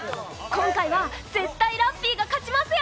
今回は絶対ラッピーが勝ちますよ！